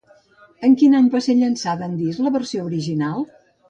En quin any va ser llançada en disc la versió original?